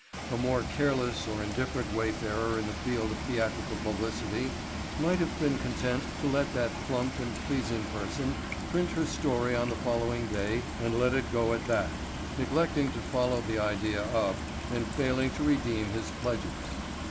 A more careless or indifferent wayfarer in the field of theatrical publicity might have been content to let that plump and pleasing person print her story on the following day and let it go at that, neglecting to follow the idea up and failing to redeem his pledges.